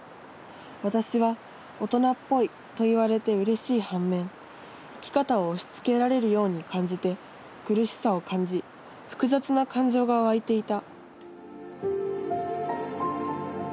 私は『大人っぽい』と言われてうれしい反面生き方を押しつけられるように感じて苦しさを感じ複雑な感情が湧いていた」。